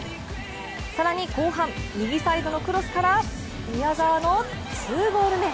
更に後半、右サイドのクロスから宮澤の２ゴール目。